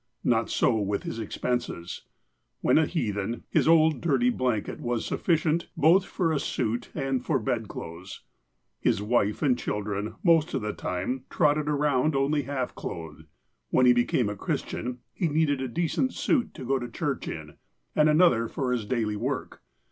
Not so with his expenses. When a heathen, his old, dirty blanket was sufficient, both for a suit and for bedclothes. His wife and children, most of the time, trotted around only half clothed. When he became a Christian, he needed a decent suit to go to church in, and another for his daily work.